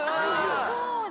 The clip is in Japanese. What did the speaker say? そうだ。